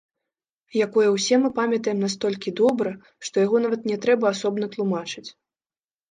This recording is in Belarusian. Якое ўсе мы памятаем настолькі добра, што яго нават не трэба асобна тлумачыць.